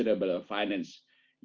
yang kelima adalah kebijakan keuangan